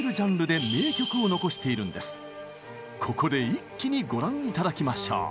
ここで一気にご覧頂きましょう。